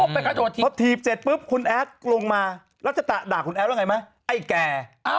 พอถีบเสร็จปุ๊บคุณแอ๊ดลงมารัชตะด่าคุณแอ๊ดว่าไงมั้ยไอ้แก่